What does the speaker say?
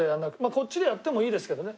こっちでやってもいいですけどね。